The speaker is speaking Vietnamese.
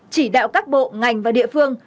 chỉ đạo các bộ ngành và địa phương